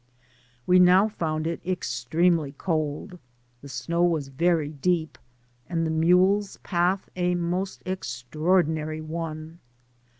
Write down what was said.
. We now found it extremely cold ; the snow was very deep, and the mules' path a most extraordinary otie.